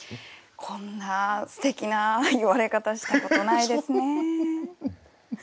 こんなすてきな言われ方したことないですね。